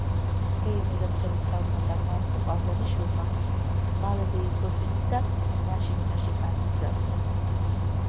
თეიმურაზ ხევისთავმა და მარგო ყაფლანიშვილმა მალევე იქორწინეს და ნაშინდარში გაემგზავრნენ.